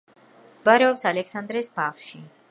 მდებარეობს ალექსანდრეს ბაღში.